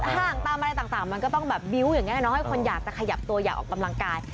ห่างตามอะไรต่างมันก็ต้องแบบบิ้วอย่างนี้เนาะให้คนอยากจะขยับตัวอยากออกกำลังกาย